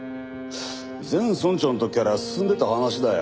前村長の時から進んでた話だよ。